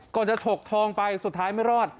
ก่อนจะฉกทองไปสุดท้ายไม่รอด